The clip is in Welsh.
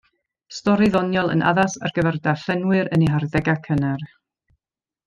Stori ddoniol yn addas ar gyfer darllenwyr yn eu harddegau cynnar.